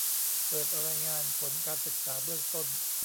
เปิดรายงานผลการศึกษาเบื้องต้น